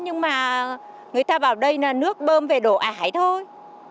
nhưng mà người ta vào đây là nước bơm về đổ ải thôi